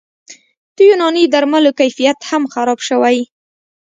د یوناني درملو کیفیت هم خراب شوی